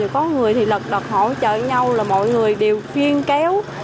có người thì lật đặt hỗ trợ nhau là mọi người đều phiên kéo